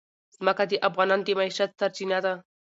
ځمکه د افغانانو د معیشت سرچینه ده.